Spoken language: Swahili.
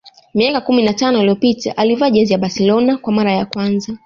Miaka kumi na tano iliyopita alivaa jezi ya Barcelona kwa mara ya kwanza